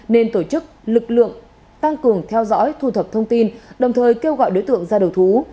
nên tổ chức lực lượng tăng cường theo dõi thu thập thông tin đồng thời kêu gọi đối tượng ra đầu thú